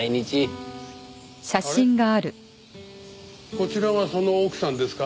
こちらがその奥さんですか？